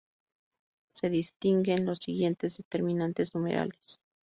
Se distinguen los siguientes determinantes numerales.